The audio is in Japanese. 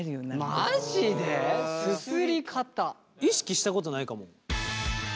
意識したことないかも。